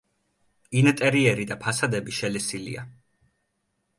ინტერიერი და ფასადები შელესილია.